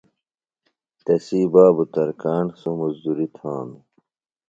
تسی بابو ترکاݨ ۔ سوۡ مزدوری تھانو۔